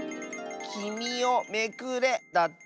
「きみをめくれ」だって。